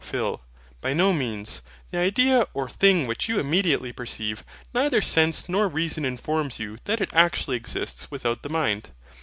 PHIL. By no means. The idea or thing which you immediately perceive, neither sense nor reason informs you that it actually exists without the mind.